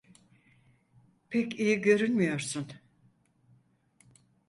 Pek iyi görünmüyorsun.